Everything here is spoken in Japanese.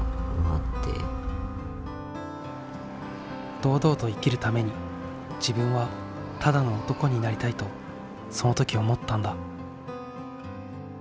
堂々と生きるために自分はただの男になりたいとそのとき思ったんだ。